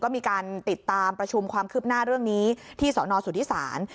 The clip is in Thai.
ก็มีการติดตามประชุมความคืบหน้าเรื่องนี้ที่สนสุธิศาล